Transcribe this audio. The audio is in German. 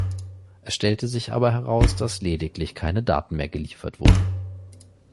Es stellte sich aber heraus, dass lediglich keine Daten mehr geliefert wurden.